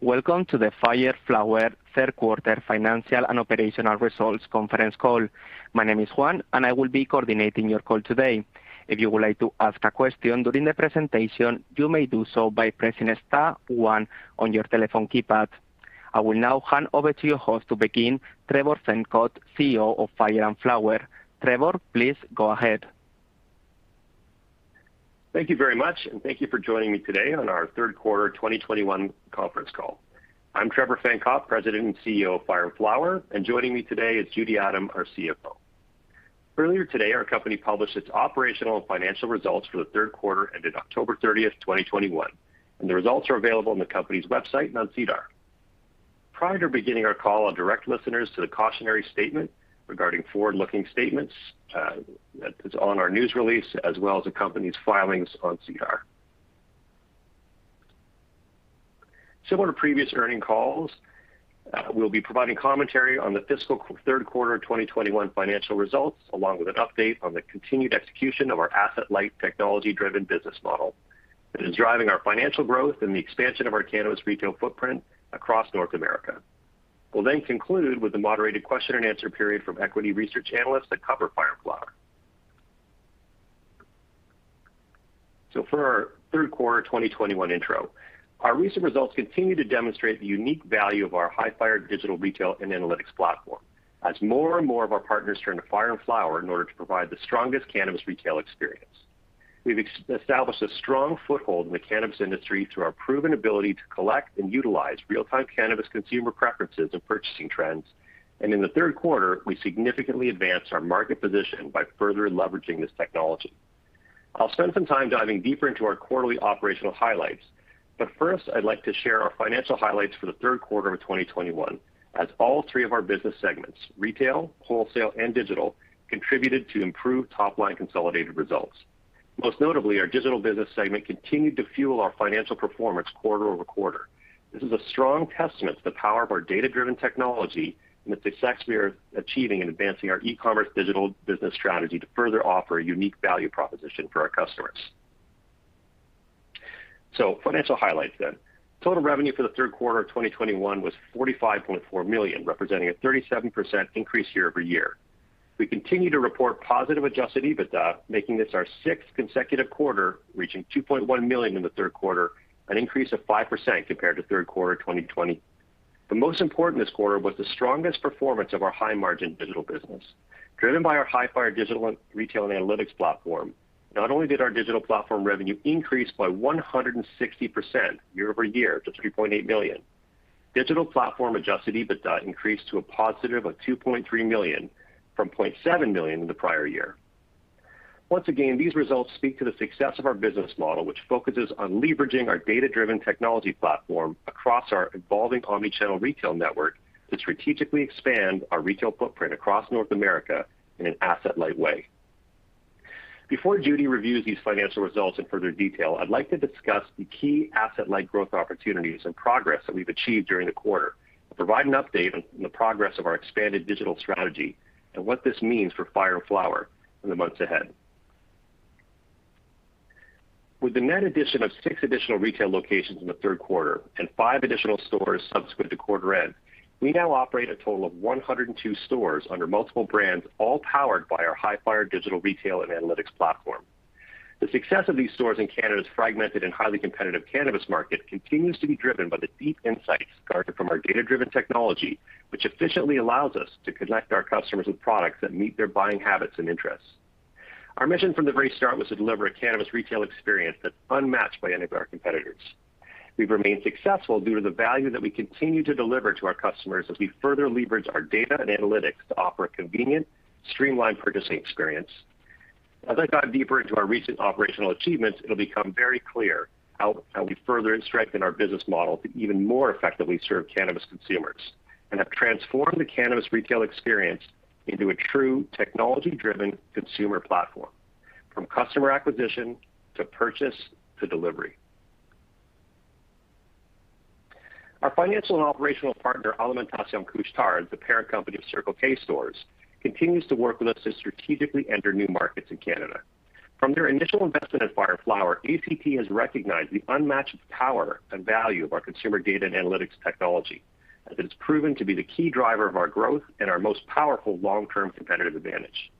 Welcome to the Fire & Flower third quarter financial and operational results conference call. My name is Juan, and I will be coordinating your call today. If you would like to ask a question during the presentation, you may do so by pressing * one on your telephone keypad. I will now hand over to your host to begin, Trevor Fencott, CEO of Fire & Flower. Trevor, please go ahead. Thank you very much. Thank you for joining me today on our third quarter 2021 conference call. I'm Trevor Fencott, President and CEO of Fire & Flower, and joining me today is Judy Adam, our CFO. Earlier today, our company published its operational and financial results for the third quarter ended October 30th, 2021, and the results are available on the company's website and on SEDAR. Prior to beginning our call, I'll direct listeners to the cautionary statement regarding forward-looking statements that is on our news release, as well as the company's filings on SEDAR. Similar to previous earning calls, we'll be providing commentary on the fiscal third quarter of 2021 financial results, along with an update on the continued execution of our asset-light technology-driven business model that is driving our financial growth and the expansion of our cannabis retail footprint across North America. We'll conclude with a moderated question-and-answer period from equity research analysts that cover Fire & Flower. For our third quarter of 2021 intro, our recent results continue to demonstrate the unique value of our Hifyre digital retail and analytics platform as more and more of our partners turn to Fire & Flower in order to provide the strongest cannabis retail experience. We've established a strong foothold in the cannabis industry through our proven ability to collect and utilize real-time cannabis consumer preferences and purchasing trends. In the third quarter, we significantly advanced our market position by further leveraging this technology. I'll spend some time diving deeper into our quarterly operational highlights, first, I'd like to share our financial highlights for the third quarter of 2021 as all three of our business segments, retail, wholesale, and digital, contributed to improved top-line consolidated results. Most notably, our digital business segment continued to fuel our financial performance quarter-over-quarter. This is a strong testament to the power of our data-driven technology and the success we are achieving in advancing our e-commerce digital business strategy to further offer a unique value proposition for our customers. Financial highlights then. Total revenue for the third quarter of 2021 was 45.4 million, representing a 37% increase year-over-year. We continue to report positive Adjusted EBITDA, making this our sixth consecutive quarter, reaching 2.1 million in the third quarter, an increase of 5% compared to third quarter 2020. Most important this quarter was the strongest performance of our high-margin digital business. Driven by our Hifyre digital and retail analytics platform, not only did our digital platform revenue increase by 160% year-over-year to 3.8 million. Digital platform Adjusted EBITDA increased to a positive of 2.3 million from 0.7 million in the prior year. Once again, these results speak to the success of our business model, which focuses on leveraging our data-driven technology platform across our evolving omni-channel retail network to strategically expand our retail footprint across North America in an asset-light way. Before Judy reviews these financial results in further detail, I'd like to discuss the key asset-light growth opportunities and progress that we've achieved during the quarter, and provide an update on the progress of our expanded digital strategy and what this means for Fire & Flower in the months ahead. With the net addition of 6 additional retail locations in the third quarter and 5 additional stores subsequent to quarter end, we now operate a total of 102 stores under multiple brands, all powered by our Hifyre digital retail and analytics platform. The success of these stores in Canada's fragmented and highly competitive cannabis market continues to be driven by the deep insights garnered from our data-driven technology, which efficiently allows us to connect our customers with products that meet their buying habits and interests. Our mission from the very start was to deliver a cannabis retail experience that's unmatched by any of our competitors. We've remained successful due to the value that we continue to deliver to our customers as we further leverage our data and analytics to offer a convenient, streamlined purchasing experience. As I dive deeper into our recent operational achievements, it'll become very clear how we further strengthen our business model to even more effectively serve cannabis consumers, and have transformed the cannabis retail experience into a true technology-driven consumer platform, from customer acquisition, to purchase, to delivery. Our financial and operational partner, Alimentation Couche-Tard, the parent company of Circle K stores, continues to work with us to strategically enter new markets in Canada. From their initial investment at Fire & Flower, ACT has recognized the unmatched power and value of our consumer data and analytics technology, as it has proven to be the key driver of our growth and our most powerful long-term competitive advantage.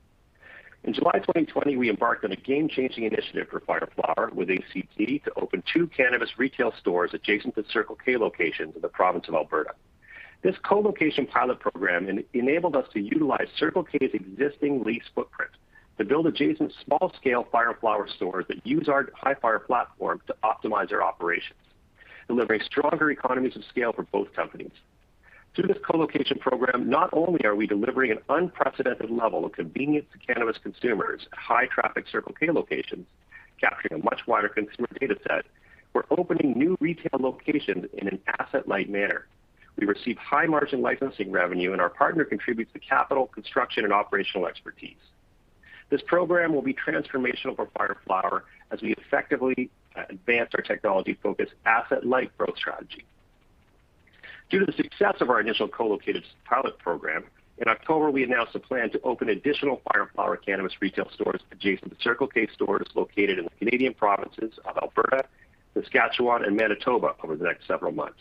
In July 2020, we embarked on a game-changing initiative for Fire & Flower with ACT to open two cannabis retail stores adjacent to Circle K locations in the province of Alberta. This co-location pilot program enabled us to utilize Circle K's existing lease footprint to build adjacent small-scale Fire & Flower stores that use our Hifyre platform to optimize their operations, delivering stronger economies of scale for both companies. Through this co-location program, not only are we delivering an unprecedented level of convenience to cannabis consumers at high-traffic Circle K locations, capturing a much wider consumer data set, we're opening new retail locations in an asset-light manner. We receive high-margin licensing revenue, and our partner contributes the capital, construction, and operational expertise. This program will be transformational for Fire & Flower as we effectively advance our technology-focused asset-light growth strategy. Due to the success of our initial co-located pilot program, in October, we announced a plan to open additional Fire & Flower cannabis retail stores adjacent to Circle K stores located in the Canadian provinces of Alberta, Saskatchewan, and Manitoba over the next several months.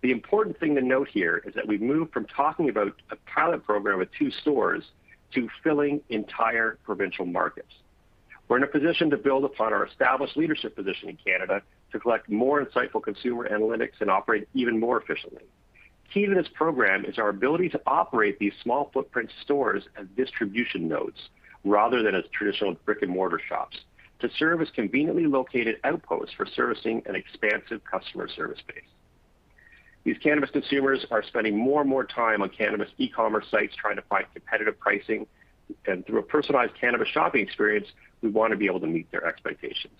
The important thing to note here is that we've moved from talking about a pilot program with 2 stores to filling entire provincial markets. We're in a position to build upon our established leadership position in Canada to collect more insightful consumer analytics and operate even more efficiently. Key to this program is our ability to operate these small footprint stores as distribution nodes rather than as traditional brick-and-mortar shops to serve as conveniently located outposts for servicing an expansive customer service base. These cannabis consumers are spending more and more time on cannabis e-commerce sites trying to find competitive pricing, and through a personalized cannabis shopping experience, we want to be able to meet their expectations.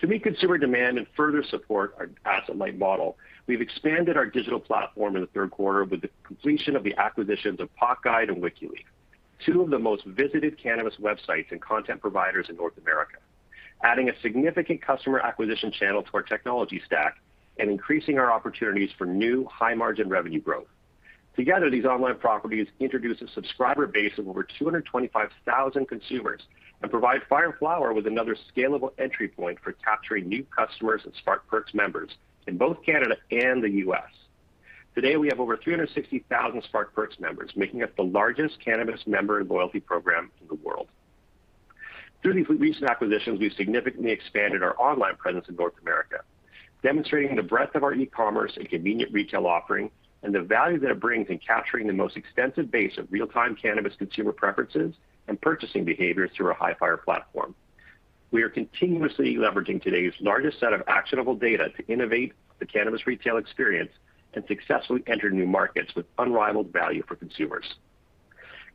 To meet consumer demand and further support our asset-light model, we've expanded our digital platform in the third quarter with the completion of the acquisitions of PotGuide and Wikileaf, two of the most visited cannabis websites and content providers in North America, adding a significant customer acquisition channel to our technology stack and increasing our opportunities for new high-margin revenue growth. Together, these online properties introduce a subscriber base of over 225,000 consumers and provide Fire & Flower with another scalable entry point for capturing new customers and Spark Perks members in both Canada and the U.S. Today, we have over 360,000 Spark Perks members, making up the largest cannabis member loyalty program in the world. Through these recent acquisitions, we've significantly expanded our online presence in North America, demonstrating the breadth of our e-commerce and convenient retail offering and the value that it brings in capturing the most extensive base of real-time cannabis consumer preferences and purchasing behavior through our Hifyre platform. We are continuously leveraging today's largest set of actionable data to innovate the cannabis retail experience and successfully enter new markets with unrivaled value for consumers.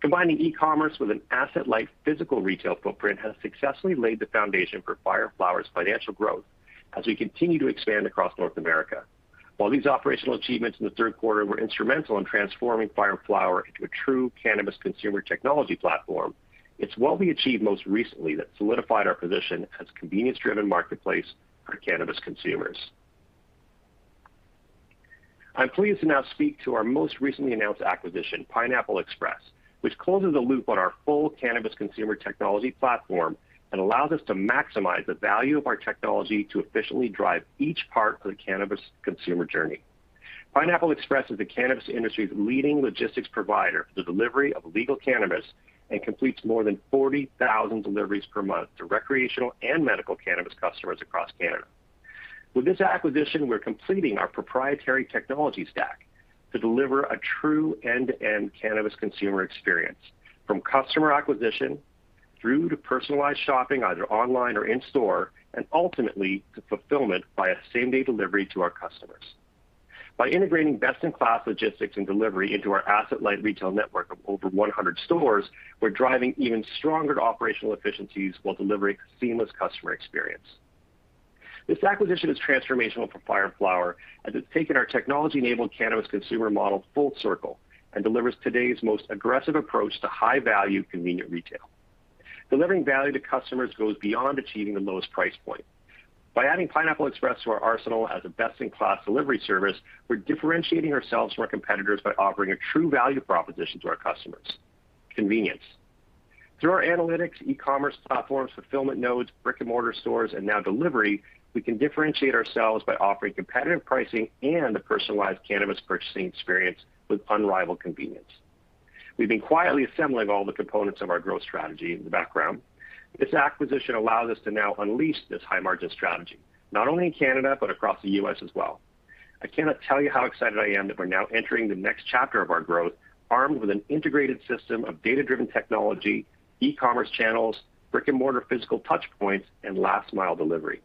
Combining e-commerce with an asset-light physical retail footprint has successfully laid the foundation for Fire & Flower's financial growth as we continue to expand across North America. While these operational achievements in the third quarter were instrumental in transforming Fire & Flower into a true cannabis consumer technology platform, it's what we achieved most recently that solidified our position as a convenience-driven marketplace for cannabis consumers. I'm pleased to now speak to our most recently announced acquisition, Pineapple Express, which closes the loop on our full cannabis consumer technology platform and allows us to maximize the value of our technology to efficiently drive each part of the cannabis consumer journey. Pineapple Express is the cannabis industry's leading logistics provider for the delivery of legal cannabis, and completes more than 40,000 deliveries per month to recreational and medical cannabis customers across Canada. With this acquisition, we're completing our proprietary technology stack to deliver a true end-to-end cannabis consumer experience, from customer acquisition through to personalized shopping, either online or in-store, and ultimately to fulfillment via same-day delivery to our customers. By integrating best-in-class logistics and delivery into our asset-light retail network of over 100 stores, we're driving even stronger operational efficiencies while delivering a seamless customer experience. This acquisition is transformational for Fire & Flower, as it's taken our technology-enabled cannabis consumer model full circle and delivers today's most aggressive approach to high-value, convenient retail. Delivering value to customers goes beyond achieving the lowest price point. By adding Pineapple Express to our arsenal as a best-in-class delivery service, we're differentiating ourselves from our competitors by offering a true value proposition to our customers: convenience. Through our analytics, e-commerce platforms, fulfillment nodes, brick-and-mortar stores, and now delivery, we can differentiate ourselves by offering competitive pricing and a personalized cannabis purchasing experience with unrivaled convenience. We've been quietly assembling all the components of our growth strategy in the background. This acquisition allows us to now unleash this high-margin strategy, not only in Canada, but across the U.S. as well. I cannot tell you how excited I am that we're now entering the next chapter of our growth armed with an integrated system of data-driven technology, e-commerce channels, brick-and-mortar physical touchpoints, and last mile delivery.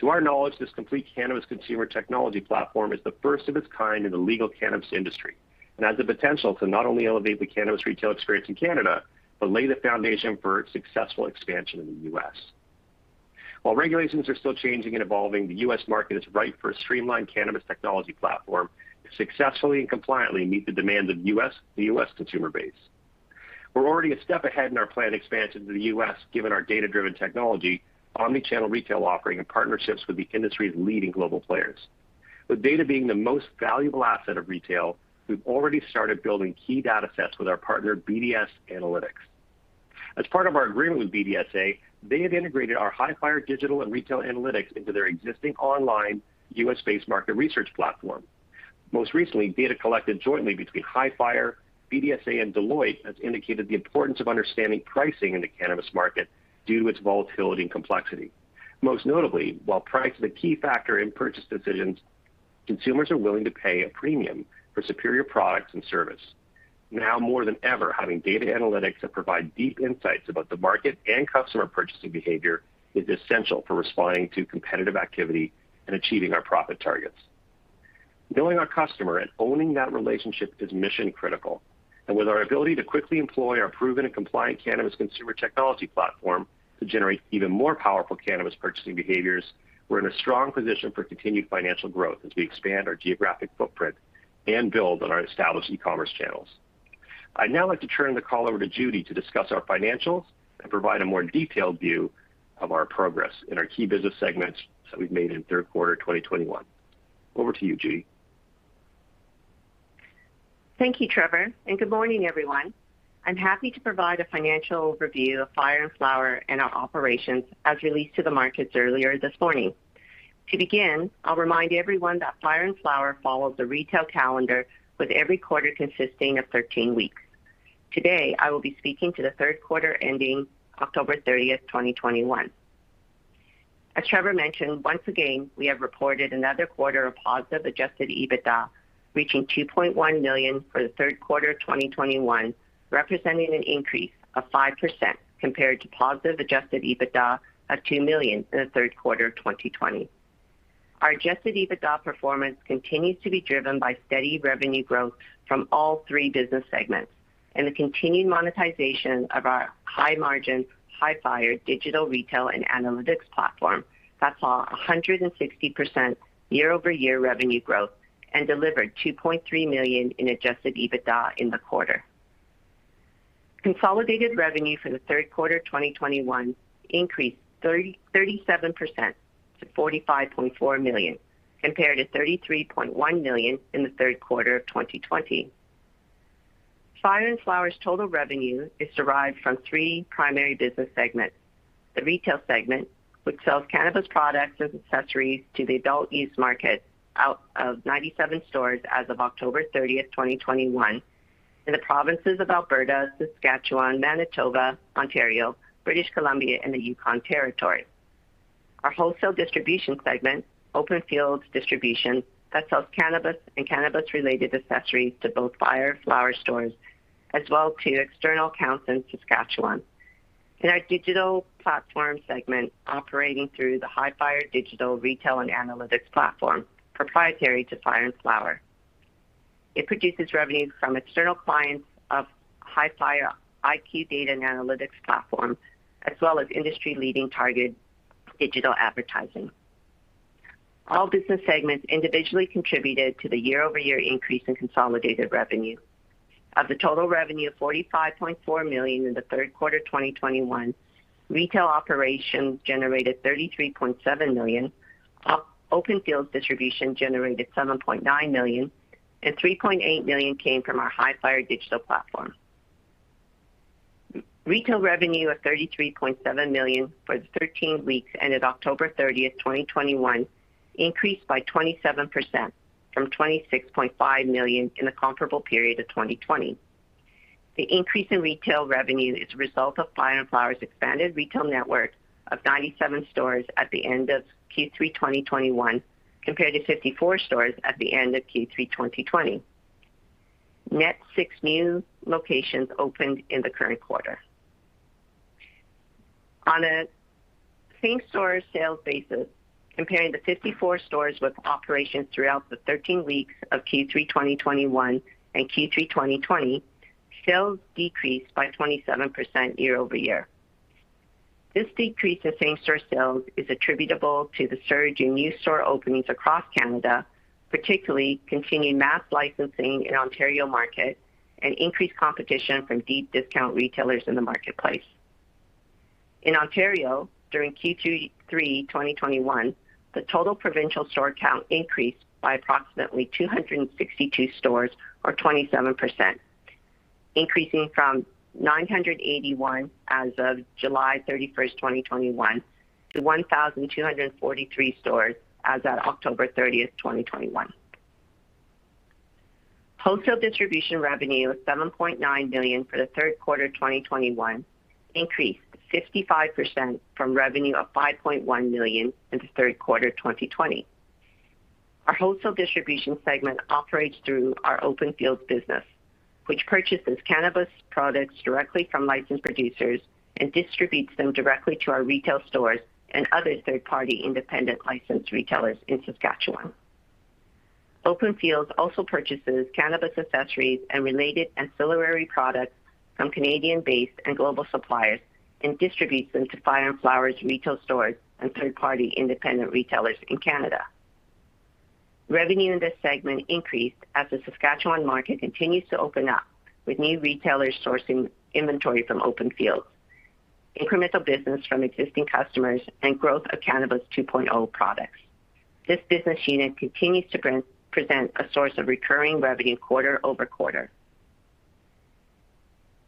To our knowledge, this complete cannabis consumer technology platform is the first of its kind in the legal cannabis industry and has the potential to not only elevate the cannabis retail experience in Canada, but lay the foundation for its successful expansion in the U.S. While regulations are still changing and evolving, the U.S. market is ripe for a streamlined cannabis technology platform to successfully and compliantly meet the demands of the U.S. consumer base. We're already a step ahead in our planned expansion to the U.S. given our data-driven technology, omni-channel retail offering, and partnerships with the industry's leading global players. With data being the most valuable asset of retail, we've already started building key data sets with our partner BDS Analytics. As part of our agreement with BDSA, they have integrated our Hifyre digital and retail analytics into their existing online U.S.-based market research platform. Most recently, data collected jointly between Hifyre, BDSA, and Deloitte has indicated the importance of understanding pricing in the cannabis market due to its volatility and complexity. Most notably, while price is a key factor in purchase decisions, consumers are willing to pay a premium for superior products and service. Now more than ever, having data analytics that provide deep insights about the market and customer purchasing behavior is essential for responding to competitive activity and achieving our profit targets. Knowing our customer and owning that relationship is mission critical, and with our ability to quickly employ our proven and compliant cannabis consumer technology platform to generate even more powerful cannabis purchasing behaviors, we're in a strong position for continued financial growth as we expand our geographic footprint and build on our established e-commerce channels. I'd now like to turn the call over to Judy to discuss our financials and provide a more detailed view of our progress in our key business segments that we've made in third quarter 2021. Over to you, Judy. Thank you, Trevor. Good morning, everyone. I'm happy to provide a financial overview of Fire & Flower and our operations as released to the markets earlier this morning. To begin, I'll remind everyone that Fire & Flower follows the retail calendar with every quarter consisting of 13 weeks. Today, I will be speaking to the third quarter ending October 30th, 2021. As Trevor mentioned, once again, we have reported another quarter of positive Adjusted EBITDA, reaching 2.1 million for the third quarter of 2021, representing an increase of 5% compared to positive Adjusted EBITDA of 2 million in the third quarter of 2020. Our Adjusted EBITDA performance continues to be driven by steady revenue growth from all three business segments and the continued monetization of our high-margin, Hifyre digital retail and analytics platform that saw 160% year-over-year revenue growth and delivered 2.3 million in Adjusted EBITDA in the quarter. Consolidated revenue for the third quarter 2021 increased 37% to 45.4 million, compared to 33.1 million in the third quarter of 2020. Fire & Flower's total revenue is derived from three primary business segments. The retail segment, which sells cannabis products and accessories to the adult-use market out of 97 stores as of October 30th, 2021, in the provinces of Alberta, Saskatchewan, Manitoba, Ontario, British Columbia, and the Yukon Territory. Our wholesale distribution segment, Open Fields Distribution, that sells cannabis and cannabis-related accessories to both Fire & Flower stores as well to external accounts in Saskatchewan. In our digital platform segment, operating through the Hifyre digital retail and analytics platform, proprietary to Fire & Flower. It produces revenue from external clients of Hifyre IQ data and analytics platform, as well as industry-leading targeted digital advertising. All business segments individually contributed to the year-over-year increase in consolidated revenue. Of the total revenue of $45.4 million in the third quarter 2021, retail operations generated $33.7 million, Open Fields Distribution generated $7.9 million, and $3.8 million came from our Hifyre digital platform. Retail revenue of CAD 33.7 million for the 13 weeks ended October 30, 2021, increased by 27% from 26.5 million in the comparable period of 2020. The increase in retail revenue is a result of Fire & Flower's expanded retail network of 97 stores at the end of Q3 2021 compared to 54 stores at the end of Q3 2020. Net 6 new locations opened in the current quarter. On a same-store sales basis, comparing the 54 stores with operations throughout the 13 weeks of Q3 2021 and Q3 2020, sales decreased by 27% year-over-year. This decrease in same-store sales is attributable to the surge in new store openings across Canada, particularly continued mass licensing in Ontario market and increased competition from deep discount retailers in the marketplace. In Ontario, during Q3 2021, the total provincial store count increased by approximately 262 stores or 27%, increasing from 981 as of July 31, 2021, to 1,243 stores as at October 30, 2021. Wholesale distribution revenue of 7.9 million for the third quarter of 2021 increased 55% from revenue of 5.1 million in the third quarter of 2020. Our wholesale distribution segment operates through our Open Fields business, which purchases cannabis products directly from licensed producers and distributes them directly to our retail stores and other third-party independent licensed retailers in Saskatchewan. Open Fields also purchases cannabis accessories and related ancillary products from Canadian-based and global suppliers and distributes them to Fire & Flower's retail stores and third-party independent retailers in Canada. Revenue in this segment increased as the Saskatchewan market continues to open up with new retailers sourcing inventory from Open Fields, incremental business from existing customers, and growth of Cannabis 2.0 products. This business unit continues to present a source of recurring revenue quarter-over-quarter.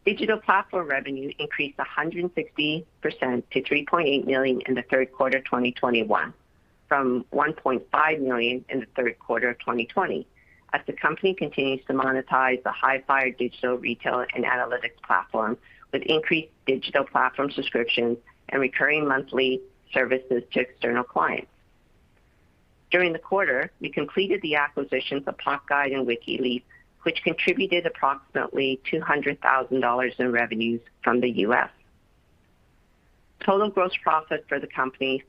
Digital platform revenue increased 160% to $3.8 million in the third quarter of 2021 from $1.5 million in the third quarter of 2020 as the company continues to monetize the Hifyre digital retail and analytics platform with increased digital platform subscriptions and recurring monthly services to external clients. During the quarter, we completed the acquisitions of PotGuide and Wikileaf, which contributed approximately $200,000 in revenues from the U.S. Total gross profit for the company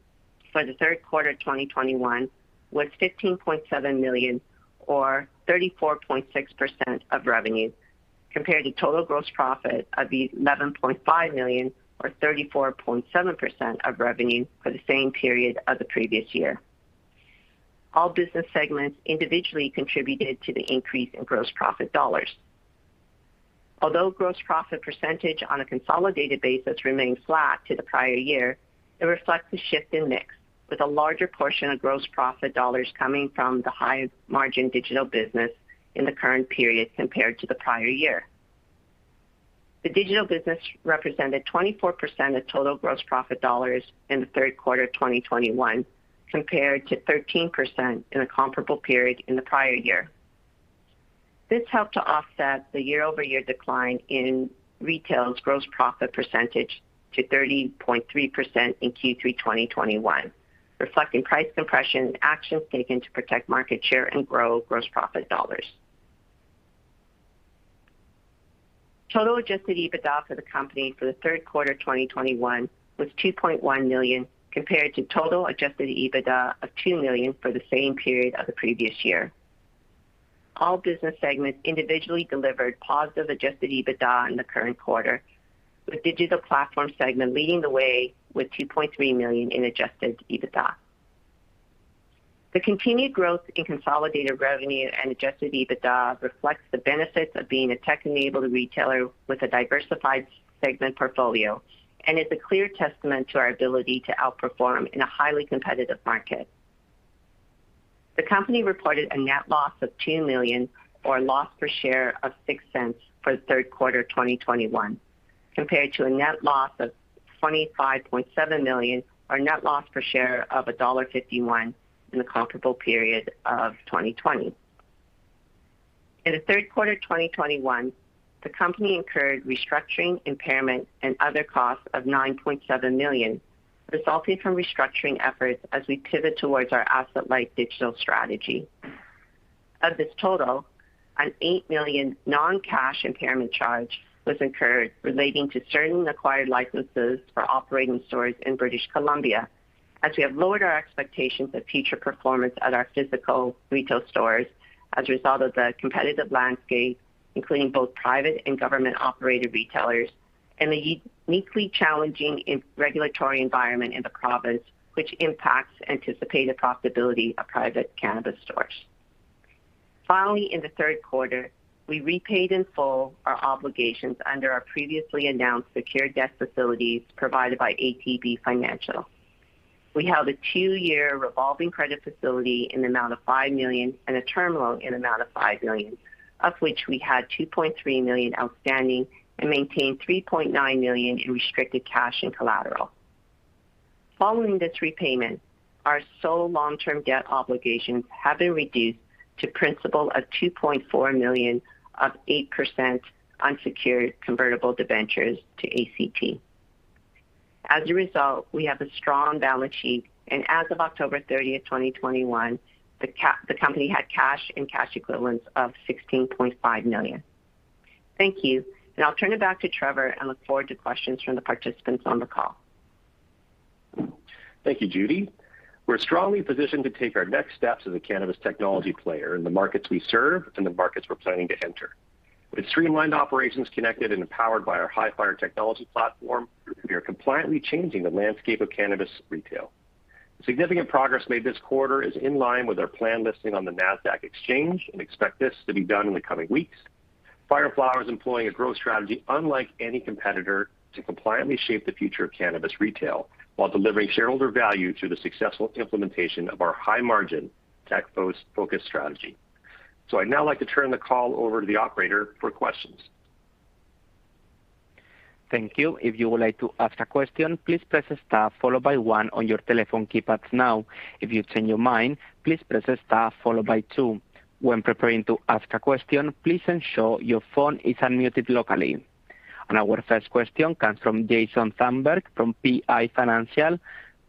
for the third quarter of 2021 was 15.7 million or 34.6% of revenue, compared to total gross profit of 11.5 million or 34.7% of revenue for the same period of the previous year. All business segments individually contributed to the increase in gross profit dollars. Although gross profit percentage on a consolidated basis remained flat to the prior year, it reflects a shift in mix, with a larger portion of gross profit dollars coming from the higher margin digital business in the current period compared to the prior year. The digital business represented 24% of total gross profit dollars in the third quarter of 2021, compared to 13% in the comparable period in the prior year. This helped to offset the year-over-year decline in retail's gross profit percentage to 30.3% in Q3 2021, reflecting price compression and actions taken to protect market share and grow gross profit dollars. Total Adjusted EBITDA for the company for the third quarter of 2021 was 2.1 million, compared to total Adjusted EBITDA of 2 million for the same period of the previous year. All business segments individually delivered positive Adjusted EBITDA in the current quarter, with digital platform segment leading the way with 2.3 million in Adjusted EBITDA. The continued growth in consolidated revenue and Adjusted EBITDA reflects the benefits of being a tech-enabled retailer with a diversified segment portfolio, is a clear testament to our ability to outperform in a highly competitive market. The company reported a net loss of 2 million, or a loss per share of 0.06 for the third quarter of 2021, compared to a net loss of 25.7 million, or net loss per share of dollar 1.51 in the comparable period of 2020. In the third quarter of 2021, the company incurred restructuring, impairment, and other costs of 9.7 million, resulting from restructuring efforts as we pivot towards our asset-light digital strategy. Of this total, an 8 million non-cash impairment charge was incurred relating to certain acquired licenses for operating stores in British Columbia, as we have lowered our expectations of future performance at our physical retail stores as a result of the competitive landscape, including both private and government-operated retailers, and the uniquely challenging regulatory environment in the province, which impacts anticipated profitability of private cannabis stores. In the third quarter, we repaid in full our obligations under our previously announced secured debt facilities provided by ATB Financial. We held a 2-year revolving credit facility in the amount of 5 million and a term loan in amount of 5 million, of which we had 2.3 million outstanding and maintained 3.9 million in restricted cash and collateral. Following this repayment, our sole long-term debt obligations have been reduced to principal of 2.4 million of 8% unsecured convertible debentures to ACT. As a result, we have a strong balance sheet, and as of October 30, 2021, the company had cash and cash equivalents of 16.5 million. Thank you, and I'll turn it back to Trevor, and look forward to questions from the participants on the call. Thank you, Judy. We're strongly positioned to take our next steps as a cannabis technology player in the markets we serve and the markets we're planning to enter. With streamlined operations connected and empowered by our Hifyre technology platform, we are compliantly changing the landscape of cannabis retail. The significant progress made this quarter is in line with our planned listing on the Nasdaq, expect this to be done in the coming weeks. Fire & Flower is employing a growth strategy unlike any competitor to compliantly shape the future of cannabis retail while delivering shareholder value through the successful implementation of our high-margin tech-focused strategy. I'd now like to turn the call over to the operator for questions. Thank you. If you would like to ask a question, please press * followed by one on your telephone keypads now. If you change your mind, please press * followed by two. When preparing to ask a question, please ensure your phone is unmuted locally. Our first question comes from Jason Zandberg from PI Financial.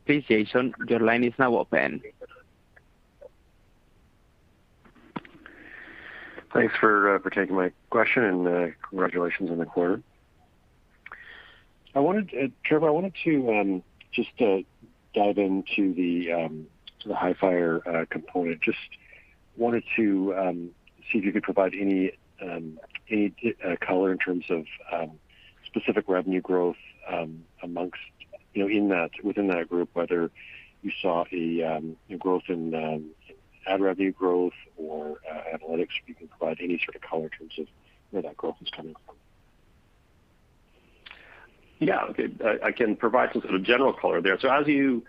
Please, Jason, your line is now open. Thanks for for taking my question. Congratulations on the quarter. I wanted Trevor, I wanted to just dive into the Hifyre component. Just wanted to see if you could provide any color in terms of specific revenue growth amongst, you know, within that group, whether you saw a growth in ad revenue growth or analytics. If you can provide any sort of color in terms of where that growth is coming from? I can provide some sort of general color there. As you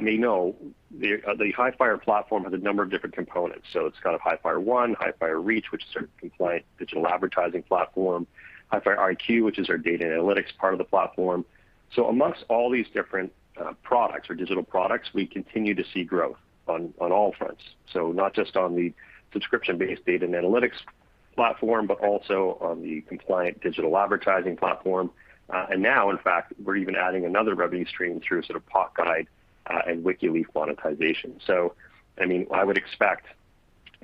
may know, the Hifyre platform has a number of different components. It's kind of Hifyre ONE, Hifyre Reach, which is our compliant digital advertising platform, Hifyre IQ, which is our data analytics part of the platform. Amongst all these different products, or digital products, we continue to see growth on all fronts. Not just on the subscription-based data and analytics platform, but also on the compliant digital advertising platform. Now, in fact, we're even adding another revenue stream through sort of PotGuide and Wikileaf monetization. I mean, I would expect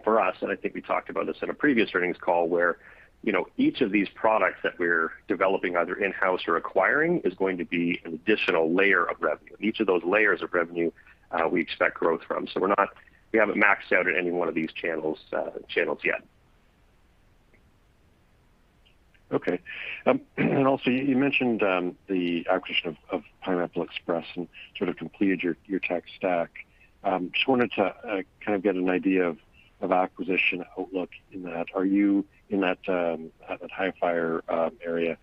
for us, and I think we talked about this in a previous earnings call, where, you know, each of these products that we're developing, either in-house or acquiring, is going to be an additional layer of revenue. Each of those layers of revenue, we expect growth from. We haven't maxed out at any one of these channels yet. Okay. You mentioned the acquisition of Pineapple Express and sort of completed your tech stack. Just wanted to kind of get an idea of acquisition outlook in that. Are you in that Hifyre area?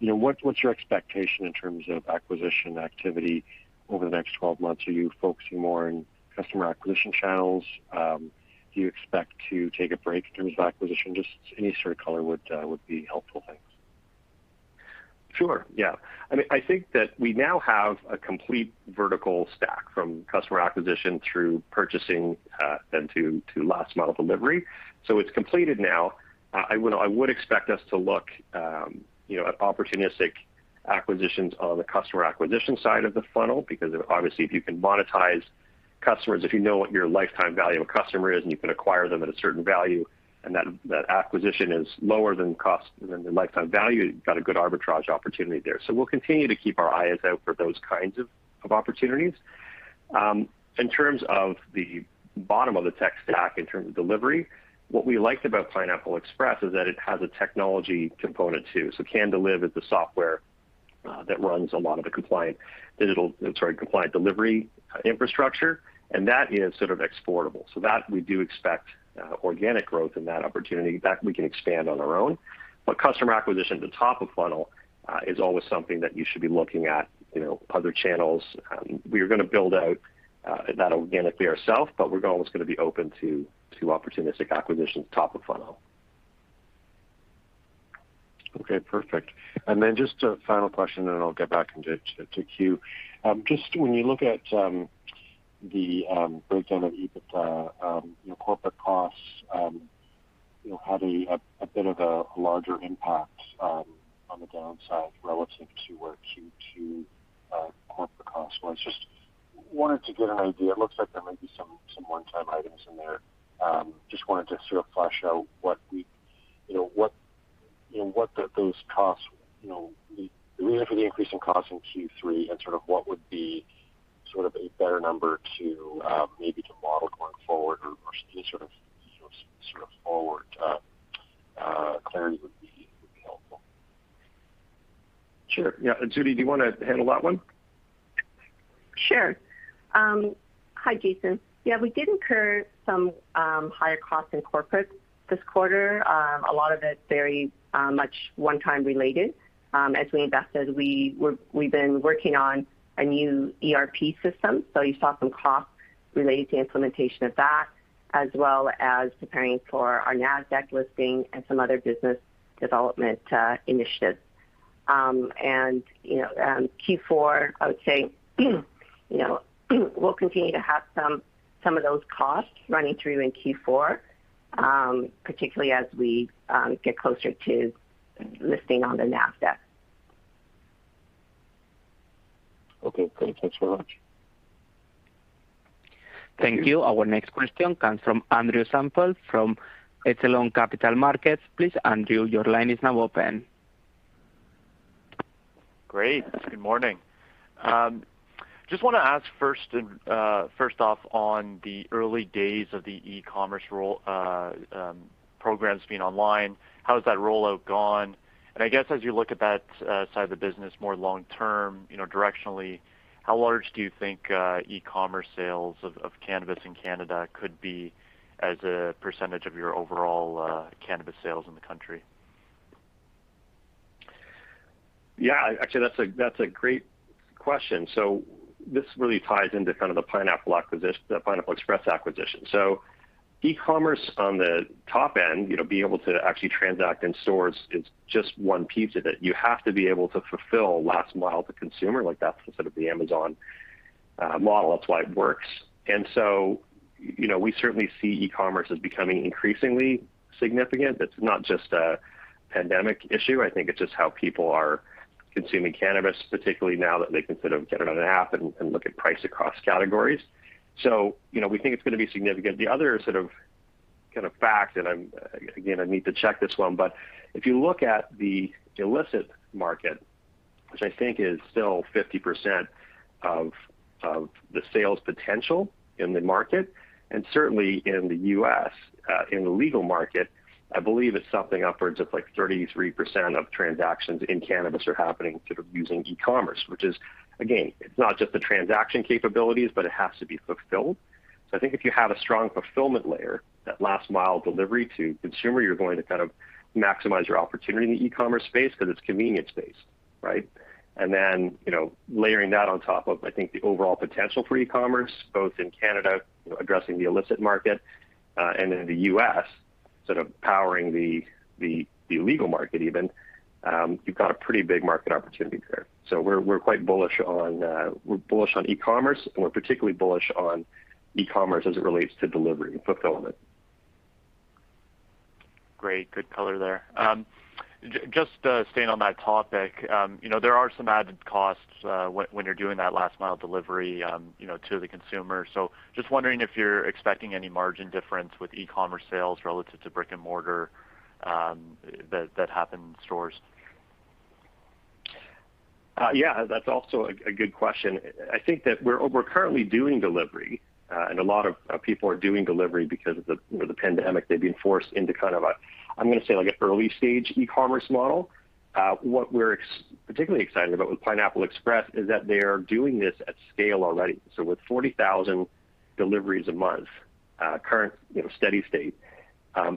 You know, what's your expectation in terms of acquisition activity over the next 12 months? Are you focusing more on customer acquisition channels? Do you expect to take a break in terms of acquisition? Just any sort of color would be helpful. Thanks. Sure. Yeah. I mean, I think that we now have a complete vertical stack from customer acquisition through purchasing, then to last mile delivery. It's completed now. I would expect us to look, you know, at opportunistic acquisitions on the customer acquisition side of the funnel, because obviously if you can monetize customers, if you know what your lifetime value of customer is, and you can acquire them at a certain value, and that acquisition is lower than the lifetime value, you've got a good arbitrage opportunity there. We'll continue to keep our eyes out for those kinds of opportunities. In terms of the bottom of the tech stack, in terms of delivery, what we liked about Pineapple Express is that it has a technology component too. CannDeliv is the software that runs a lot of the compliant delivery infrastructure, and that is sort of exportable. That we do expect organic growth in that opportunity. That we can expand on our own. Customer acquisition at the top of funnel is always something that you should be looking at, you know, other channels. We are gonna build out that organically ourself, but we're always gonna be open to opportunistic acquisitions top of funnel. Okay. Perfect. Just a final question, then I'll get back into queue. Just when you look at the breakdown of EBITDA, corporate costs had a bit of a larger impact on the downside relative to our Q2 corporate costs. Wanted to get an idea. It looks like there might be some one-time items in there. Just wanted to sort of flesh out what the those costs the reason for the increase in costs in Q3 and sort of what would be sort of a better number to maybe to model going forward or any sort of forward clarity would be helpful. Sure. Yeah. Judy, do you wanna handle that one? Sure. Hi, Jason. Yeah, we did incur some higher costs in corporate this quarter. A lot of it very much one-time related. As we invested, we've been working on a new ERP system, so you saw some costs related to implementation of that, as well as preparing for our Nasdaq listing and some other business development initiatives. You know, Q4, I would say, you know, we'll continue to have some of those costs running through in Q4, particularly as we get closer to listing on the Nasdaq. Okay, great. Thanks so much. Thank you. Our next question comes from Andrew Semple from Echelon Capital Markets. Please, Andrew, your line is now open. Great. Good morning. Just wanna ask first and first off on the early days of the e-commerce programs being online, how has that rollout gone? I guess as you look at that side of the business more long term, you know, directionally, how large do you think e-commerce sales of cannabis in Canada could be as a percentage of your overall cannabis sales in the country? Yeah, actually that's a great question. This really ties into kind of the Pineapple Express acquisition. E-commerce on the top end, you know, being able to actually transact in stores is just one piece of it. You have to be able to fulfill last mile to consumer, like that's sort of the Amazon model. That's why it works. You know, we certainly see e-commerce as becoming increasingly significant. It's not just a pandemic issue. I think it's just how people are consuming cannabis, particularly now that they can sort of get it on an app and look at price across categories. You know, we think it's gonna be significant. The other sort of kind of fact, and I'm... again, I need to check this one, but if you look at the illicit market, which I think is still 50% of the sales potential in the market, and certainly in the U.S., in the legal market, I believe it's something upwards of like 33% of transactions in cannabis are happening sort of using e-commerce, which is, again, it's not just the transaction capabilities, but it has to be fulfilled. I think if you have a strong fulfillment layer, that last mile delivery to consumer, you're going to kind of maximize your opportunity in the e-commerce space because it's convenience based, right? You know, layering that on top of, I think, the overall potential for e-commerce, both in Canada, you know, addressing the illicit market, and in the U.S., sort of powering the legal market even, you've got a pretty big market opportunity there. We're quite bullish on, we're bullish on e-commerce, and we're particularly bullish on e-commerce as it relates to delivery and fulfillment. Great. Good color there. Just staying on that topic, you know, there are some added costs, when you're doing that last mile delivery, you know, to the consumer. Just wondering if you're expecting any margin difference with e-commerce sales relative to brick-and-mortar, that happen in stores? Yeah, that's also a good question. I think that we're currently doing delivery, and a lot of people are doing delivery because of the, you know, the pandemic. They've been forced into kind of a, I'm gonna say, like, a early stage e-commerce model. What we're particularly excited about with Pineapple Express is that they are doing this at scale already. With 40,000 deliveries a month, current, you know, steady state,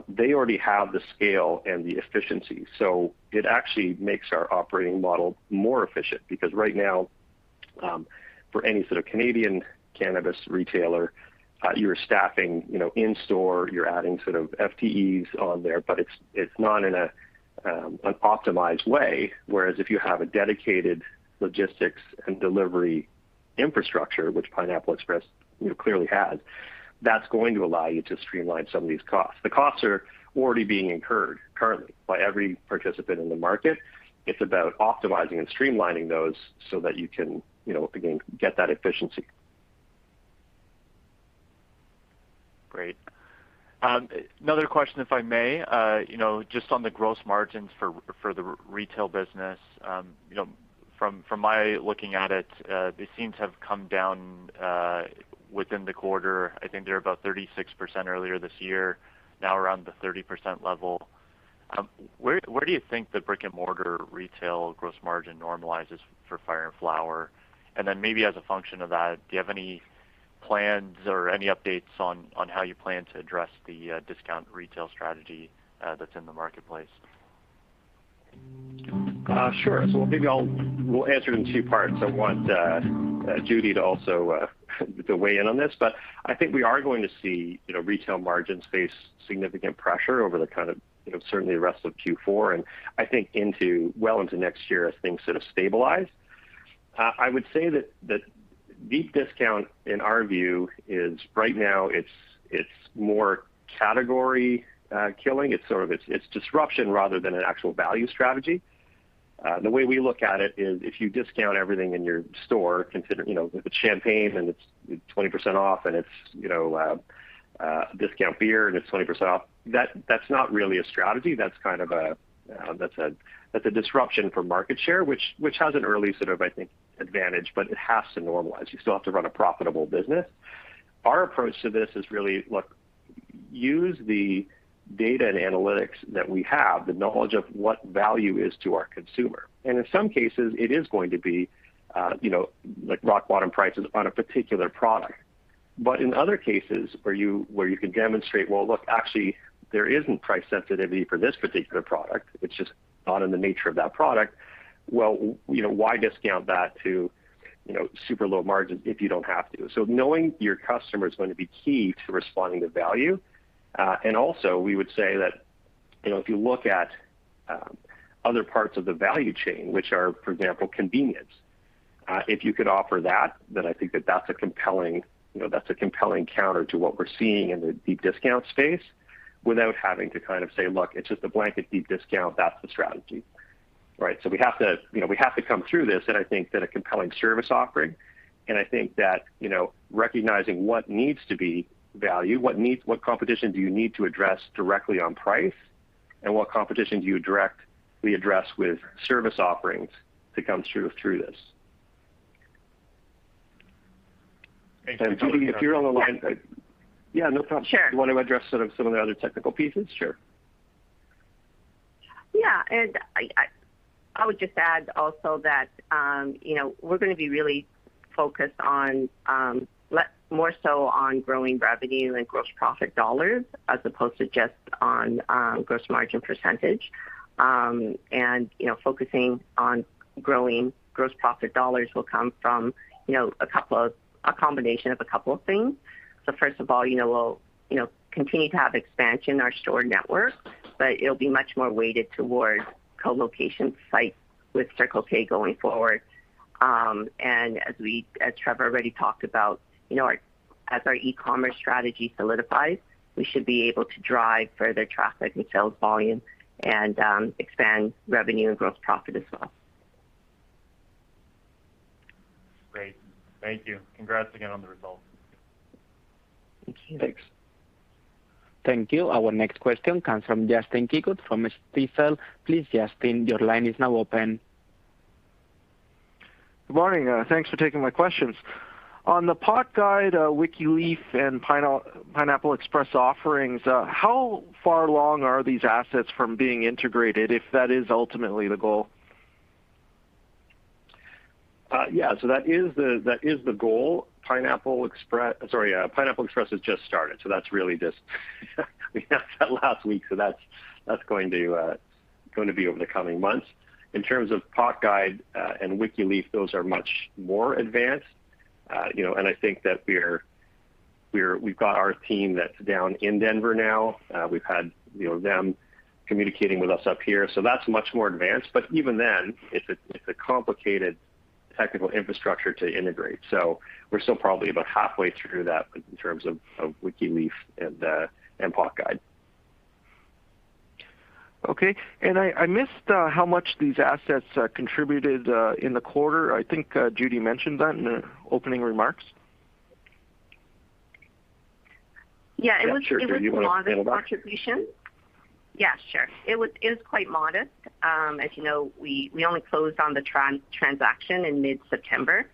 they already have the scale and the efficiency. It actually makes our operating model more efficient because right now, for any sort of Canadian cannabis retailer, you're staffing, you know, in store, you're adding sort of FTEs on there, but it's not in a, an optimized way, whereas if you have a dedicated logistics and delivery infrastructure, which Pineapple Express, you know, clearly has, that's going to allow you to streamline some of these costs. The costs are already being incurred currently by every participant in the market. It's about optimizing and streamlining those so that you can, you know, again, get that efficiency. Great. Another question, if I may. Just on the gross margins for the retail business, they seem to have come down within the quarter. I think they're about 36% earlier this year, now around the 30% level. Where, where do you think the brick-and-mortar retail gross margin normalizes for Fire & Flower? Then maybe as a function of that, do you have any plans or any updates on how you plan to address the discount retail strategy that's in the marketplace? Sure. Maybe we'll answer it in two parts. I want Judy to also to weigh in on this. I think we are going to see, you know, retail margins face significant pressure over the kind of, you know, certainly the rest of Q4, and I think into, well into next year as things sort of stabilize. I would say that deep discount, in our view, is right now it's more category killing. It's sort of it's disruption rather than an actual value strategy. The way we look at it is if you discount everything in your store, consider, you know, if it's champagne and it's 20% off and it's, you know, discount beer and it's 20% off, that's not really a strategy. That's kind of a, that's a, that's a disruption for market share, which has an early sort of, I think, advantage, but it has to normalize. You still have to run a profitable business. Our approach to this is really look, use the data and analytics that we have, the knowledge of what value is to our consumer. In some cases, it is going to be, you know, like rock bottom prices on a particular product. In other cases where you can demonstrate, well, look, actually there isn't price sensitivity for this particular product, it's just not in the nature of that product, well, you know, why discount that to, you know, super low margins if you don't have to? Knowing your customer is going to be key to responding to value. Also we would say that, you know, if you look at other parts of the value chain, which are, for example, convenience, if you could offer that, then I think that that's a compelling, you know, that's a compelling counter to what we're seeing in the deep discount space without having to kind of say, "Look, it's just a blanket deep discount. That's the strategy." Right? We have to, you know, we have to come through this, and I think that a compelling service offering, and I think that, you know, recognizing what needs to be value, what competition do you need to address directly on price and what competition do you directly address with service offerings to come through this. Thank you. Judy, if you're on the line. Yeah. Yeah, no problem. Sure. You wanna address sort of some of the other technical pieces? Sure. Yeah. I would just add also that, you know, we're gonna be really focused on more so on growing revenue and gross profit dollars as opposed to just on gross margin percentage. You know, focusing on growing gross profit dollars will come from, you know, a combination of a couple of things. First of all, you know, we'll, you know, continue to have expansion in our store network, but it'll be much more weighted towards co-location sites with Circle K going forward. As Trevor already talked about, you know, as our e-commerce strategy solidifies, we should be able to drive further traffic and sales volume and expand revenue and gross profit as well. Great. Thank you. Congrats again on the results. Thank you. Thanks. Thank you. Our next question comes from Justin Keywood from Stifel. Please, Justin, your line is now open. Good morning. Thanks for taking my questions. On the PotGuide, Wikileaf, and Pineapple Express offerings, how far along are these assets from being integrated, if that is ultimately the goal? Yeah. That is the goal. Pineapple Express has just started, that's really just we announced that last week, that's going to be over the coming months. In terms of PotGuide and Wikileaf, those are much more advanced. You know, I think that we've got our team that's down in Denver now. We've had, you know, them communicating with us up here. That's much more advanced, but even then, it's a complicated technical infrastructure to integrate. We're still probably about halfway through that in terms of Wikileaf and PotGuide. Okay. I missed how much these assets contributed in the quarter. I think Judy mentioned that in her opening remarks. It was, it was modest contribution. Sure. It was, it was quite modest. As you know, we only closed on the transaction in mid-September.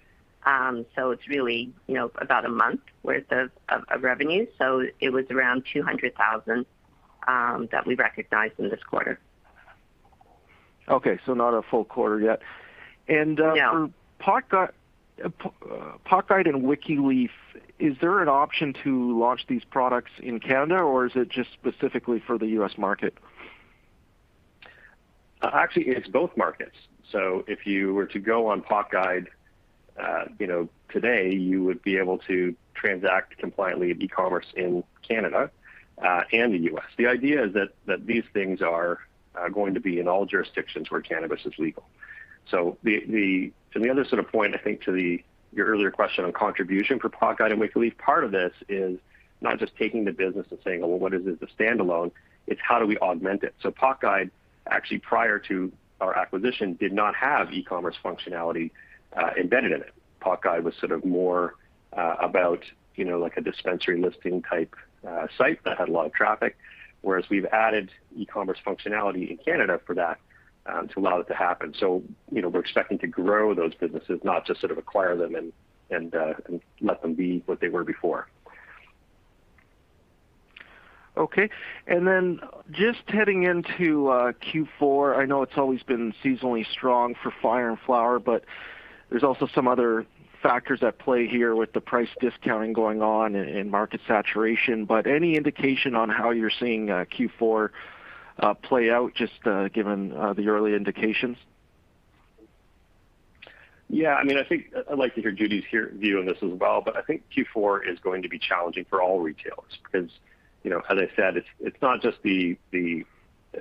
It's really, you know, about a month worth of revenue. It was around 200,000 that we recognized in this quarter. Okay. Not a full quarter yet. No. For PotGuide and WikiLeaf, is there an option to launch these products in Canada, or is it just specifically for the U.S. market? Actually, it's both markets. If you were to go on PotGuide, you know, today, you would be able to transact compliantly e-commerce in Canada and the U.S. The idea is that these things are going to be in all jurisdictions where cannabis is legal. The other sort of point, I think to your earlier question on contribution for PotGuide and WikiLeaf, part of this is not just taking the business and saying, "Well, what is it as a standalone?" It's how do we augment it? PotGuide, actually prior to our acquisition, did not have e-commerce functionality embedded in it. PotGuide was sort of more about, you know, like a dispensary listing type site that had a lot of traffic, whereas we've added e-commerce functionality in Canada for that to allow it to happen. You know, we're expecting to grow those businesses, not just sort of acquire them and let them be what they were before. Just heading into Q4, I know it's always been seasonally strong for Fire & Flower, but there's also some other factors at play here with the price discounting going on and market saturation, but any indication on how you're seeing Q4 play out just given the early indications? I mean, I think I'd like to hear Judy's hear-view on this as well, but I think Q4 is going to be challenging for all retailers because, you know, as I said, it's not just the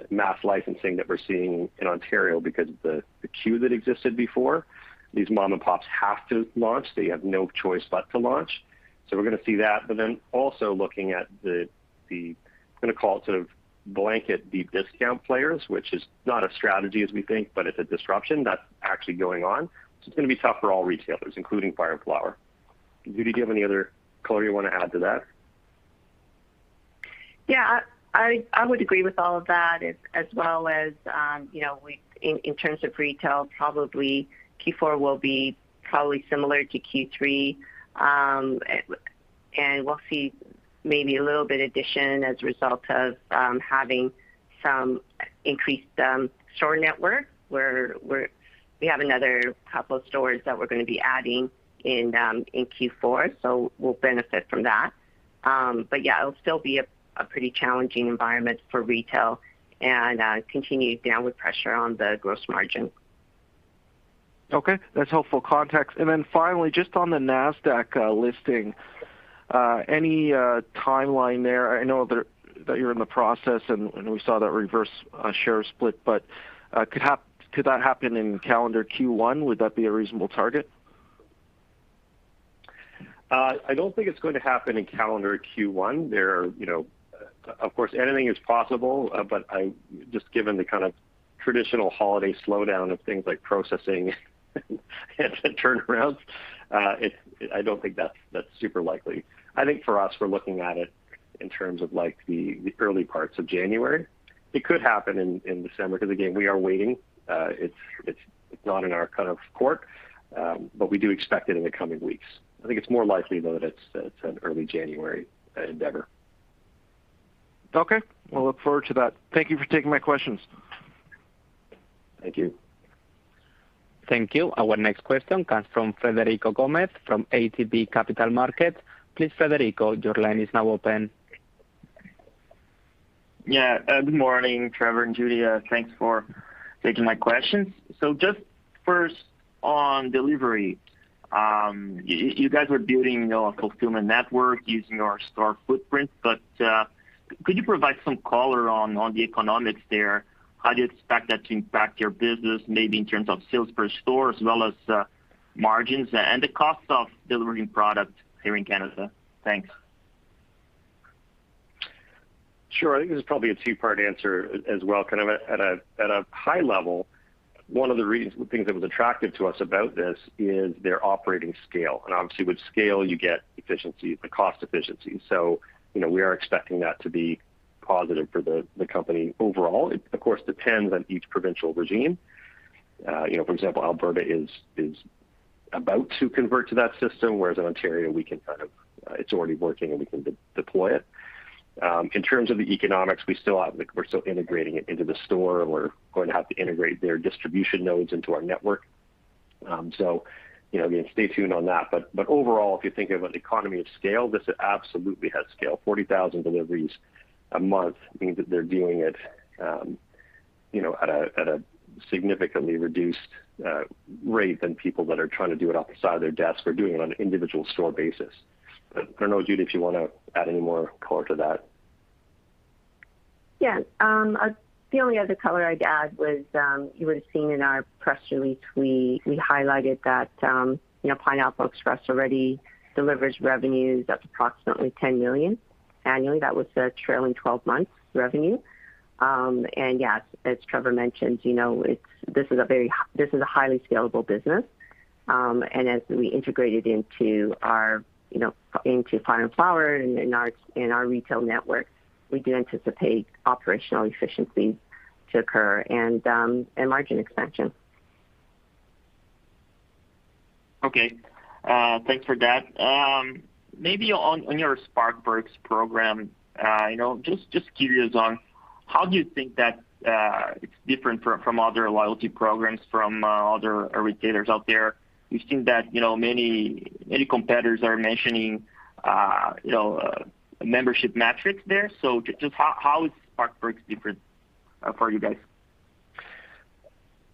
mass licensing that we're seeing in Ontario because the queue that existed before, these mom and pops have to launch. They have no choice but to launch. We're gonna see that. Also looking at the I'm gonna call it sort of blanket, the discount players, which is not a strategy as we think, but it's a disruption that's actually going on. It's gonna be tough for all retailers, including Fire & Flower. Judy, do you have any other color you wanna add to that? Yeah. I would agree with all of that as well as, you know, in terms of retail, Q4 will be probably similar to Q3. We'll see maybe a little bit addition as a result of having some increased store network where we have another couple of stores that we're gonna be adding in Q4, so we'll benefit from that. Yeah, it'll still be a pretty challenging environment for retail and continued downward pressure on the gross margin. Okay. That's helpful context. Finally, just on the Nasdaq listing, any timeline there? I know that you're in the process and we saw that reverse share split, but could that happen in calendar Q1? Would that be a reasonable target? I don't think it's going to happen in calendar Q1. There are, you know. Of course, anything is possible, but just given the kind of traditional holiday slowdown of things like processing and turnarounds, I don't think that's super likely. I think for us, we're looking at it in terms of like the early parts of January. It could happen in December because again, we are waiting. It's not in our kind of court, but we do expect it in the coming weeks. I think it's more likely though that it's an early January endeavor. Okay. We'll look forward to that. Thank you for taking my questions. Thank you. Thank you. Our next question comes from Frederico Gomes from ATB Capital Markets. Please, Frederico, your line is now open. Yeah. Good morning, Trevor and Judy. Thanks for taking my questions. Just first on delivery, you guys were building, you know, a fulfillment network using your store footprint, but could you provide some color on the economics there? How do you expect that to impact your business, maybe in terms of sales per store as well as margins and the cost of delivering product here in Canada? Thanks. I think this is probably a two-part answer as well. Kind of at a high level, one of the reasons things that was attractive to us about this is their operating scale. Obviously with scale, you get efficiency, cost efficiency. You know, we are expecting that to be positive for the company overall. It, of course, depends on each provincial regime. You know, for example, Alberta is about to convert to that system, whereas in Ontario, we can kind of it's already working and we can de-deploy it. In terms of the economics, we're still integrating it into the store. We're going to have to integrate their distribution nodes into our network. You know, again, stay tuned on that. Overall, if you think about the economy of scale, this absolutely has scale. 40,000 deliveries a month means that they're doing it, you know, at a, at a significantly reduced rate than people that are trying to do it off the side of their desk or doing it on an individual store basis. I don't know, Judy, if you wanna add any more color to that. Yeah. The only other color I'd add was, you would have seen in our press release, we highlighted that, you know, Pineapple Express already delivers revenues of approximately $10 million annually. That was the trailing twelve months revenue. And yes, as Trevor mentioned, you know, this is a very highly scalable business. And as we integrated into our, you know, into Fire & Flower and in our retail network, we do anticipate operational efficiencies to occur and margin expansion. Okay. Thanks for that. maybe on your Spark Perks program, you know, just curious on how do you think that, it's different from other loyalty programs from other retailers out there? We've seen that, you know, many competitors are mentioning, you know, membership metrics there. just how is Spark Perks different, for you guys?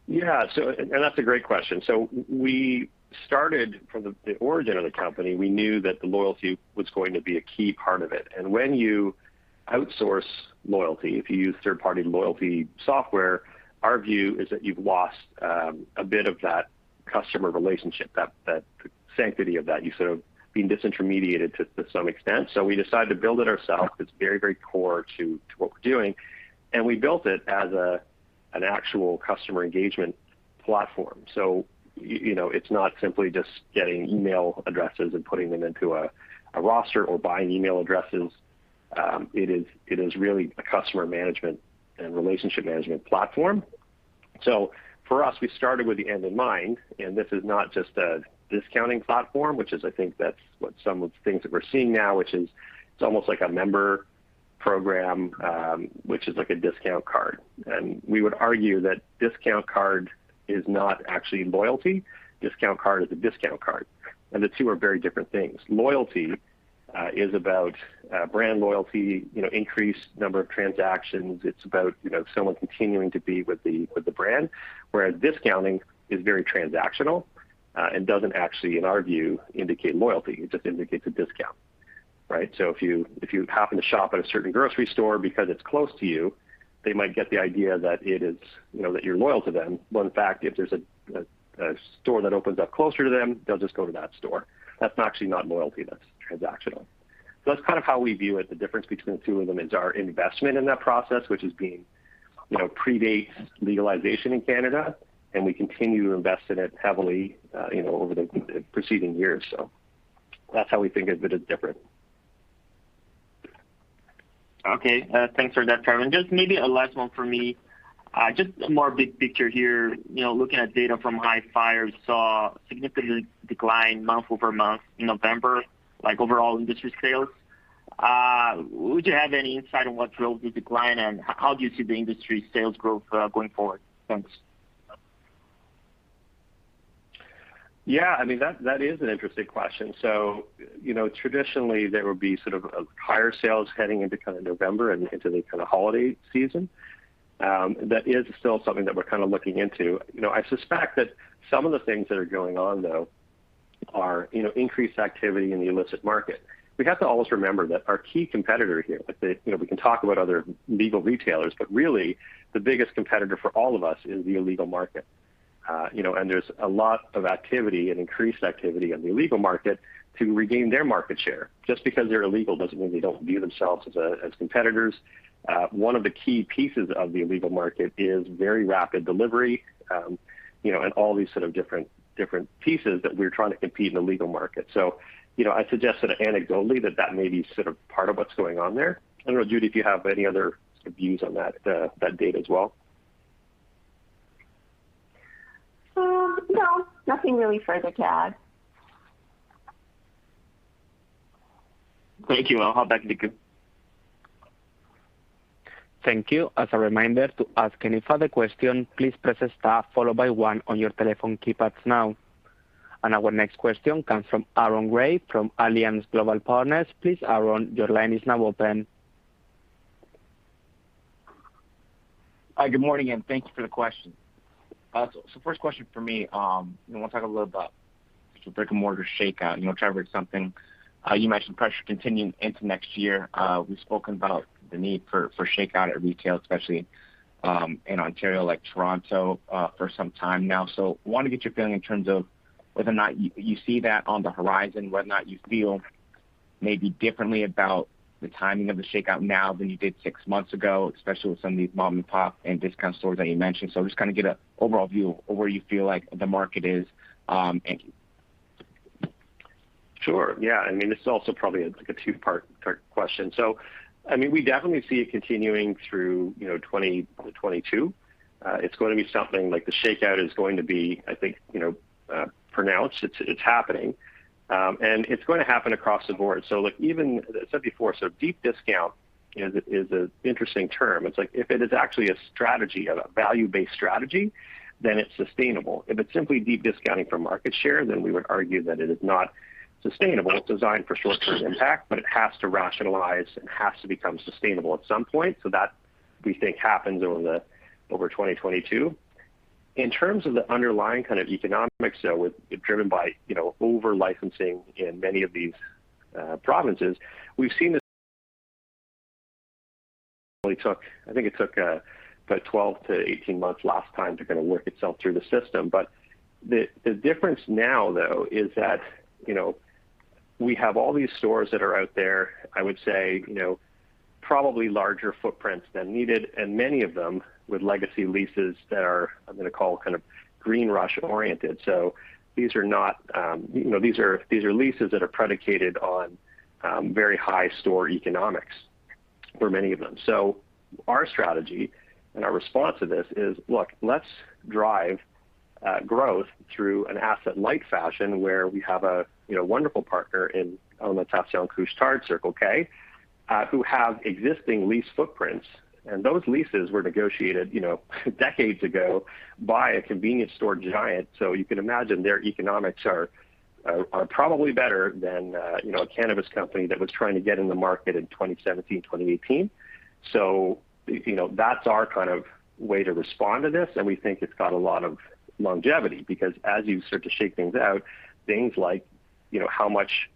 Yeah. That's a great question. We started from the origin of the company, we knew that the loyalty was going to be a key part of it. When you outsource loyalty, if you use third-party loyalty software, our view is that you've lost a bit of that customer relationship, that sanctity of that. You're sort of being disintermediated to some extent. We decided to build it ourselves. It's very, very core to what we're doing, and we built it as an actual customer engagement platform. You, you know, it's not simply just getting email addresses and putting them into a roster or buying email addresses. It is, it is really a customer management and relationship management platform. For us, we started with the end in mind, this is not just a discounting platform, which is I think that's what some of the things that we're seeing now, which is it's almost like a member program, which is like a discount card. We would argue that discount card is not actually loyalty. Discount card is a discount card, and the two are very different things. Loyalty is about brand loyalty, you know, increased number of transactions. It's about, you know, someone continuing to be with the, with the brand, whereas discounting is very transactional, and doesn't actually, in our view, indicate loyalty. It just indicates a discount, right? If you happen to shop at a certain grocery store because it's close to you, they might get the idea that it is, you know, that you're loyal to them. When in fact if there's a store that opens up closer to them, they'll just go to that store. That's actually not loyalty, that's transactional. That's kind of how we view it, the difference between the two of them is our investment in that process, which is being, you know, predates legalization in Canada, and we continue to invest in it heavily, you know, over the preceding years. That's how we think of it as different. Okay, thanks for that, Trevor. Just maybe a last one for me. Just more big picture here. You know, looking at data from Hifyre, we saw a significant decline month-over-month in November, like overall industry sales. Would you have any insight on what drove the decline, and how do you see the industry sales growth going forward? Thanks. Yeah, I mean, that is an interesting question. You know, traditionally there would be sort of higher sales heading into kind of November and into the kind of holiday season. That is still something that we're kind of looking into. You know, I suspect that some of the things that are going on though are, you know, increased activity in the illicit market. We have to always remember that our key competitor here. You know, we can talk about other legal retailers, but really the biggest competitor for all of us is the illegal market. You know, there's a lot of activity and increased activity in the illegal market to regain their market share. Just because they're illegal doesn't mean they don't view themselves as competitors. One of the key pieces of the illegal market is very rapid delivery, you know, and all these sort of different pieces that we're trying to compete in the legal market. You know, I'd suggest that anecdotally that that may be sort of part of what's going on there. I don't know, Judy, if you have any other views on that data as well. no, nothing really further to add. Thank you. I'll hop back to Nico. Thank you. As a reminder, to ask any further question, please press star followed by one on your telephone keypads now. Our next question comes from Aaron Gray from Alliance Global Partners. Please, Aaron, your line is now open. Hi, good morning, and thank you for the question. First question for me, you know, want to talk a little about the brick-and-mortar shakeout. You know, Trevor, it's something, you mentioned pressure continuing into next year. We've spoken about the need for shakeout at retail, especially, in Ontario, like Toronto, for some time now. Want to get your feeling in terms of whether or not you see that on the horizon, whether or not you feel maybe differently about the timing of the shakeout now than you did six months ago, especially with some of these mom and pop and discount stores that you mentioned. Just kind of get an overall view of where you feel like the market is. Thank you. Sure. I mean, this is also probably like a two-part question. I mean, we definitely see it continuing through, you know, 2022. It's going to be something like the shakeout is going to be, I think, you know, pronounced. It's happening. It's going to happen across the board. Look, even I said before, so deep discount is a interesting term. It's like if it is actually a strategy, a value-based strategy, then it's sustainable. If it's simply deep discounting for market share, then we would argue that it is not sustainable. It's designed for short-term impact, but it has to rationalize and has to become sustainable at some point. That we think happens over 2022. In terms of the underlying kind of economics though, with driven by, you know, over-licensing in many of these provinces, we've seen this. I think it took about 12 to 18 months last time to kind of work itself through the system. The difference now though is that, you know. We have all these stores that are out there, I would say, you know, probably larger footprints than needed, and many of them with legacy leases that are, I'm gonna call kind of green rush-oriented. These are not, you know, these are leases that are predicated on very high store economics for many of them. Our strategy and our response to this is, look, let's drive growth through an asset-light fashion where we have a, you know, wonderful partner in Alimentation Couche-Tard, Circle K, who have existing lease footprints. Those leases were negotiated, you know, decades ago by a convenience store giant. You can imagine their economics are probably better than, you know, a cannabis company that was trying to get in the market in 2017, 2018. That's our kind of way to respond to this, and we think it's got a lot of longevity because as you start to shake things out, things like, you know, how much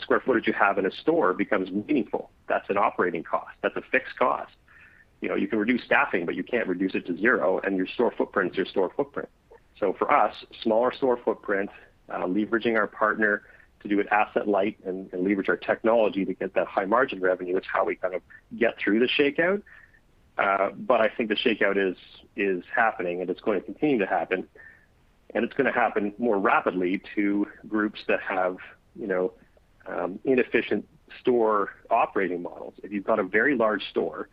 square footage you have in a store becomes meaningful. That's an operating cost. That's a fixed cost. You know, you can reduce staffing, but you can't reduce it to zero, and your store footprint is your store footprint. For us, smaller store footprint, leveraging our partner to do an asset-light and leverage our technology to get that high margin revenue is how we kind of get through the shakeout. I think the shakeout is happening, and it's going to continue to happen, and it's gonna happen more rapidly to groups that have, you know, inefficient store operating models. If you've got a very large store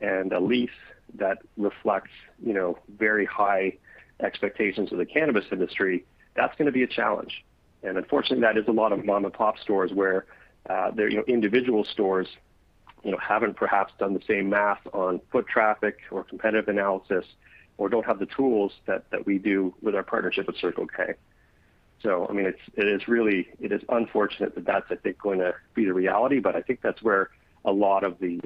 and a lease that reflects, you know, very high expectations of the cannabis industry, that's gonna be a challenge. Unfortunately, that is a lot of mom-and-pop stores where, their, you know, individual stores, you know, haven't perhaps done the same math on foot traffic or competitive analysis or don't have the tools that we do with our partnership with Circle K. I mean, it is unfortunate that that's, I think, going to be the reality, but I think that's where a lot of the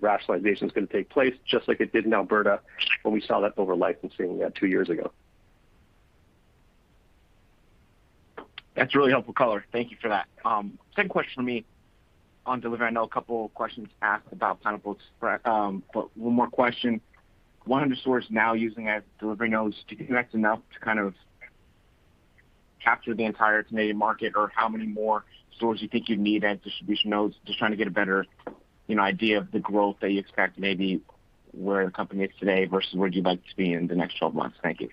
rationalization is going to take place, just like it did in Alberta when we saw that over licensing two years ago. That's a really helpful color. Thank you for that. Second question from me on delivery? I know a couple of questions asked about Pineapple Express. One more question. 100 stores now using as delivery nodes, do you connect enough to kind of capture the entire Canadian market, or how many more stores you think you'd need as distribution nodes? Just trying to get a better, you know, idea of the growth that you expect, maybe where the company is today versus where you'd like to be in the next 12 months. Thank you.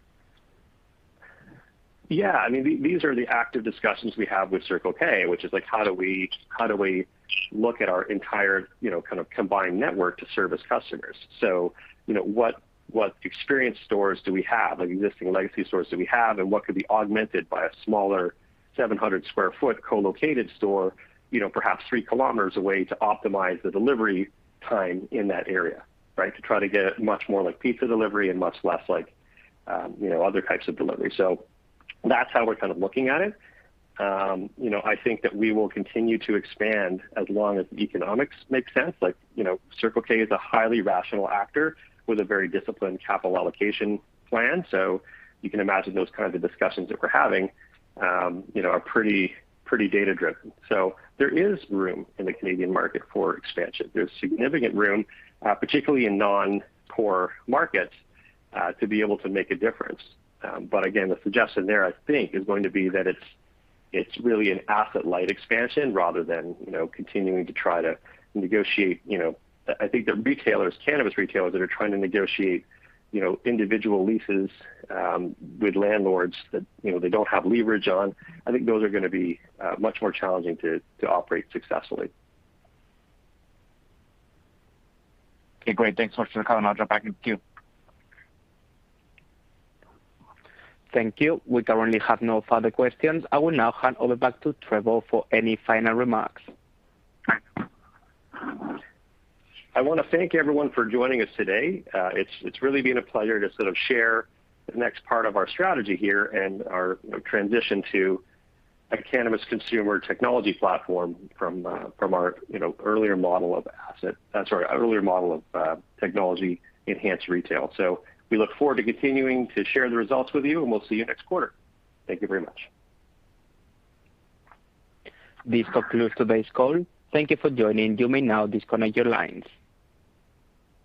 I mean, these are the active discussions we have with Circle K, which is like, how do we, how do we look at our entire, you know, kind of combined network to service customers? You know, what experience stores do we have, like existing legacy stores do we have, and what could be augmented by a smaller 700 sq ft co-located store, you know, perhaps 3 km away to optimize the delivery time in that area, right? To try to get it much more like pizza delivery and much less like, you know, other types of delivery. That's how we're kind of looking at it. You know, I think that we will continue to expand as long as the economics make sense. You know, Circle K is a highly rational actor with a very disciplined capital allocation plan. You can imagine those kind of discussions that we're having, you know, are pretty data-driven. There is room in the Canadian market for expansion. There's significant room, particularly in non-core markets, to be able to make a difference. Again, the suggestion there, I think, is going to be that it's really an asset-light expansion rather than, you know, continuing to try to negotiate, I think there are retailers, cannabis retailers, that are trying to negotiate, you know, individual leases with landlords that, you know, they don't have leverage on. I think those are gonna be much more challenging to operate successfully. Okay, great. Thanks so much for the call, and I'll drop back in queue. Thank you. We currently have no further questions. I will now hand over back to Trevor for any final remarks. I wanna thank everyone for joining us today. It's really been a pleasure to sort of share the next part of our strategy here and our, you know, transition to a cannabis consumer technology platform from our earlier model of technology-enhanced retail. We look forward to continuing to share the results with you, and we'll see you next quarter. Thank you very much. This concludes today's call. Thank you for joining. You may now disconnect your lines.